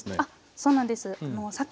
そうなんです。